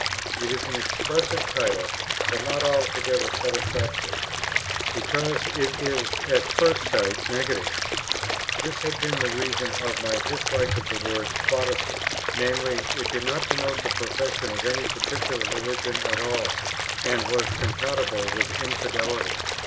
It is an expressive title, but not altogether satisfactory, because it is at first sight negative. This had been the reason of my dislike to the word "Protestant;" viz. it did not denote the profession of any particular religion at all, and was compatible with infidelity.